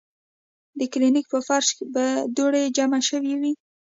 د کلینک پۀ فرش به دوړې جمع شوې وې ـ